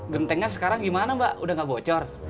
gentengnya sekarang gimana mbak udah gak bocor